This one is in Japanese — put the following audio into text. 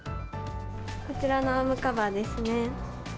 こちらがアームカバーですね。